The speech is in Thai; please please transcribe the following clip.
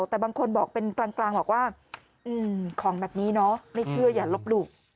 แต่บางคนบอกเป็นกลางบอกว่าของแบบนี้เนาะไม่เชื่ออย่าลบหลู่